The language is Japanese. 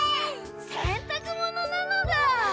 せんたくものなのだ！